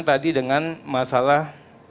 tadi dengan masalah